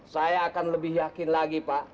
saya akan lebih yakin lagi pak